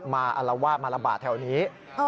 มาอร่าวะมาระบาดแถวนี้